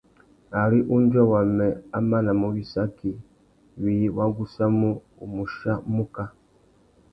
Ari undjuê wamê a manamú wissaki, wiï wa gussamú, u mù chia muká.